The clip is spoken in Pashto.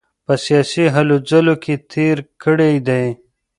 په سیاسي هلو ځلو کې تېر کړی دی.